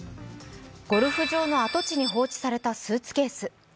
ゴルフ場の跡地に放置されたスーツケース。